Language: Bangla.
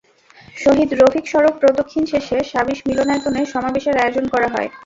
শহীদ রফিক সড়ক প্রদক্ষিণ শেষে সাবিস মিলনায়তনে সমাবেশের আয়োজন করা হয়।